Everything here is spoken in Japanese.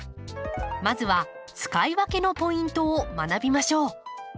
まずは使い分けのポイントを学びましょう。